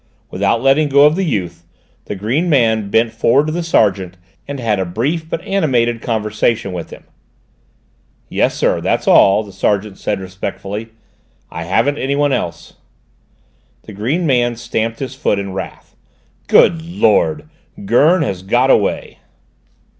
Without letting go of the youth, the green man bent forward to the sergeant and had a brief but animated conversation with him. "Yes, sir, that's all," the sergeant said respectfully; "I haven't anyone else." The green man stamped his foot in wrath. "Good Lord! Gurn has got away!"